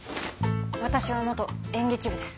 私は元演劇部です。